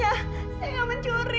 ya tuhan saya gak mencuri